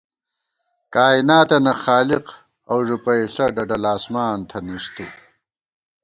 کائیناتَنہ خالق اؤ ݫُوپَئیݪہ ڈڈل آسمان تھنَئیس تُو